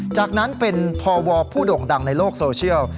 จากนั้นเป็นพวผู้โด่งดังในโลกโซเชียล